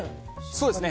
そうですね。